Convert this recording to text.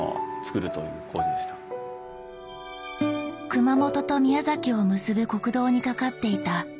熊本と宮崎を結ぶ国道に架かっていた旧阿蘇大橋。